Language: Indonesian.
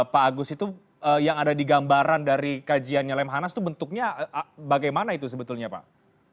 pak agus itu yang ada di gambaran dari kajiannya lemhanas itu bentuknya bagaimana itu sebetulnya pak